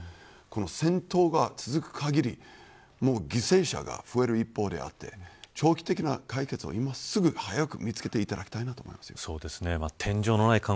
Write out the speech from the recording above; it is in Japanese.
戦闘が続くかぎり犠牲者が増える一方であって長期的な解決をすぐに見つけていただきたいです。